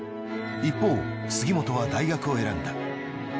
一方杉本は大学を選んだ。